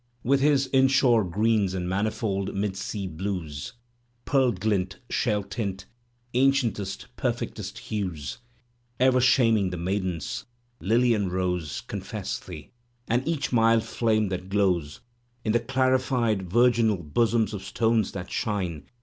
With his inshore greens and manifold mid sea blues* Pearl glint, shell tint, ancientest, perfectest hues Ever shaming the maidens, — lily and rose Confess thee, and each mild flame that glows In the clarified virginal bosoms of stones that shine.